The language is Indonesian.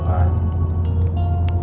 pasti kamu suka memil